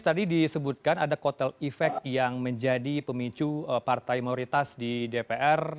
tadi disebutkan ada kotel efek yang menjadi pemicu partai mayoritas di dpr